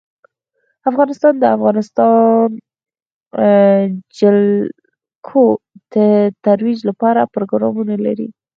افغانستان د د افغانستان جلکو د ترویج لپاره پروګرامونه لري.